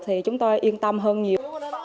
thì chúng ta yên tâm hơn nhiều